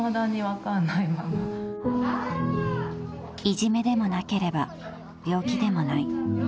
［いじめでもなければ病気でもない］